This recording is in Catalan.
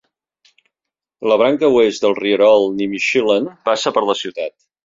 La branca oest del rierol Nimishillen passa per la ciutat.